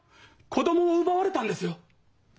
子供を奪われたんですよ。